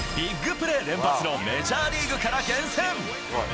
ビッグプレー連発のメジャーリーグから厳選。